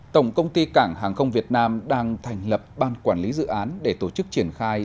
tổng công ty cảng hàng không việt nam đang thành lập ban quản lý dự án để tổ chức triển khai